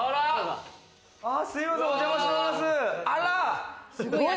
すみません、お邪魔しております。